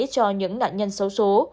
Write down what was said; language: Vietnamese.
cho những nạn nhân xấu xố